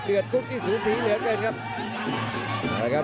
เดือดกุ๊กที่สูงสีเหลือเกินครับ